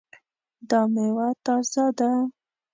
دا میوه تازه ده؟